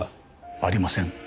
ありません。